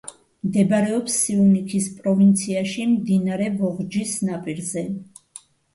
მდებარეობს სიუნიქის პროვინციაში, მდინარე ვოღჯის ნაპირზე.